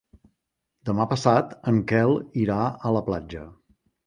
Demà passat en Quel irà a la platja.